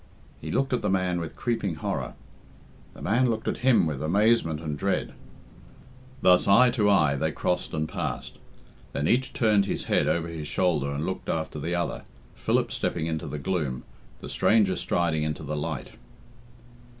He looked at the man with creeping horror. The man looked at him with amazement and dread. Thus, eye to eye, they crossed and passed. Then each turned his head over his shoulder and looked after the other, Philip stepping into the gloom, the stranger striding into the light.